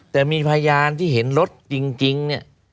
แต่มีพยานที่เห็นรถจริงเนี่ย